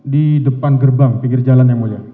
di depan gerbang pinggir jalan yang mulia